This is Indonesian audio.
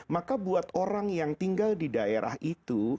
maka buat orang yang tinggal di daerah itu